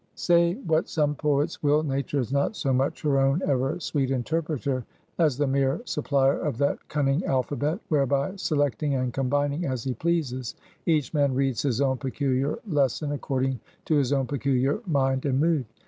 Say what some poets will, Nature is not so much her own ever sweet interpreter, as the mere supplier of that cunning alphabet, whereby selecting and combining as he pleases, each man reads his own peculiar lesson according to his own peculiar mind and mood.